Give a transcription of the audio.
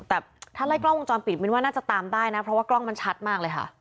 แต่ถ้าไล่กล้องวงจรปิดมินว่าน่าจะตามได้นะเพราะว่ากล้องมันชัดมากเลยค่ะ